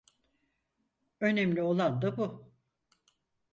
Önemli olan da bu.